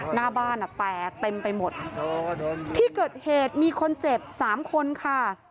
หน้าบ้านอ่ะแตกเต็มไปหมดที่เกิดเหตุมีคนเจ็บสามคนค่ะ